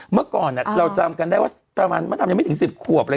เมื่อก่อนเราจำกันได้ว่าประมาณไม่ถึงสิบขวบ